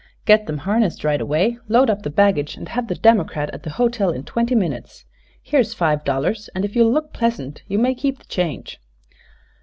"Get them harnessed right away, load up the baggage, and have the democrat at the hotel in twenty minutes. Here's five dollars, and if you'll look pleasant you may keep the change."